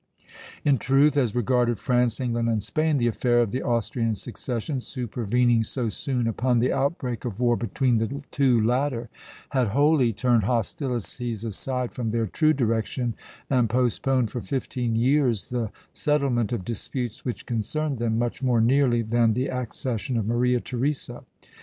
In truth, as regarded France, England, and Spain, the affair of the Austrian succession, supervening so soon upon the outbreak of war between the two latter, had wholly turned hostilities aside from their true direction and postponed for fifteen years the settlement of disputes which concerned them much more nearly than the accession of Maria Theresa.